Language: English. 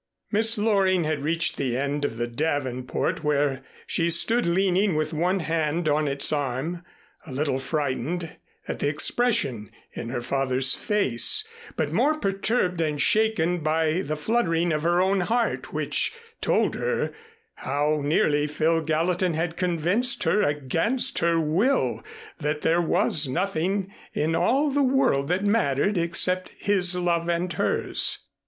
Miss Loring had reached the end of the Davenport where she stood leaning with one hand on its arm, a little frightened at the expression in her father's face, but more perturbed and shaken by the fluttering of her own heart which told her how nearly Phil Gallatin had convinced her against her will that there was nothing in all the world that mattered except his love and hers.